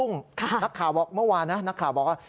นักข่าวบอกเมื่อวานนะนักข่าวบอกว่า